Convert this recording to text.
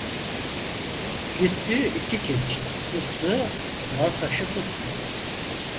Güttüğü iki keçi, ıslığı dağı taşı tuttu.